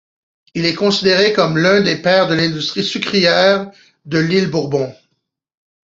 Il est considéré comme l'un des pères de l'industrie sucrière de l'île Bourbon.